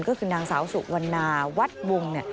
ก็คือนางสาวสุวรรณาวัดวงศ์เนี่ย